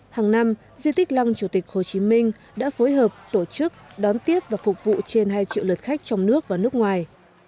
hàng năm di tích lăng chủ tịch hồ chí minh đã phối hợp tổ chức đón tiếp và phục vụ trên hai triệu lượt khách trong nước và nước ngoài